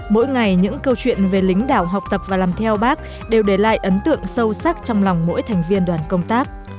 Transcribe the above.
mỗi ngày những câu chuyện về lính đảo học tập và làm theo bác đều để lại ấn tượng sâu sắc trong lòng mỗi thành viên đoàn công tác